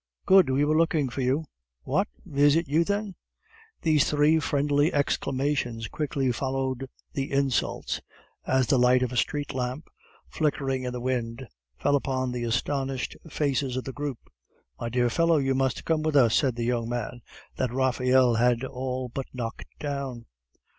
"Good! we were looking for you." "What! it is you, then?" These three friendly exclamations quickly followed the insults, as the light of a street lamp, flickering in the wind, fell upon the astonished faces of the group. "My dear fellow, you must come with us!" said the young man that Raphael had all but knocked down.